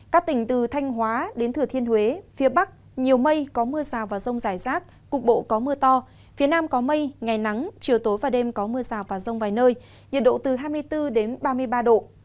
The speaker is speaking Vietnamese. các tỉnh từ thanh hóa đến thừa thiên huế phía bắc nhiều mây có mưa rào và rông rải rác cục bộ có mưa to phía nam có mây ngày nắng chiều tối và đêm có mưa rào và rông vài nơi nhiệt độ từ hai mươi bốn ba mươi ba độ